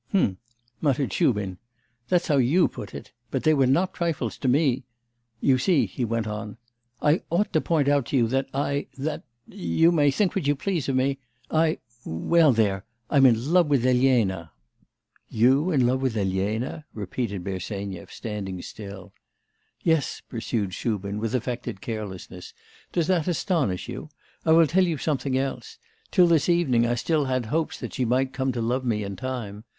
'H'm,' muttered Shubin. 'That's how you put it; but they were not trifles to me. You see,' he went on, 'I ought to point out to you that I that you may think what you please of me I well there! I'm in love with Elena.' 'You in love with Elena!' repeated Bersenyev, standing still. 'Yes,' pursued Shubin with affected carelessness. 'Does that astonish you? I will tell you something else. Till this evening I still had hopes that she might come to love me in time.